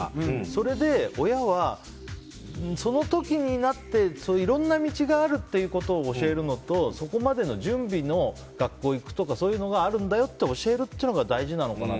それで、親はその時になっていろんな道があるっていうことを教えるのとそこまでの準備の、学校行くとかそういうのがあるんだよって教えるというのが大事なのかな。